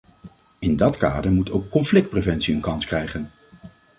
In dat kader moet ook conflictpreventie een kans krijgen.